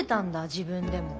自分でも。